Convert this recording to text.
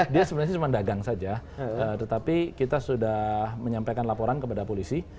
dia sebenarnya cuma dagang saja tetapi kita sudah menyampaikan laporan kepada polisi